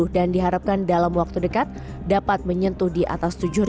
dan diharapkan dalam waktu dekat dapat menyentuh di atas tujuh